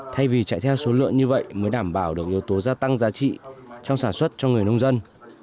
thay vì chạy theo số lượng như vậy mới đảm bảo được yếu tố gia tăng giá trị trong sản xuất cho người nông dân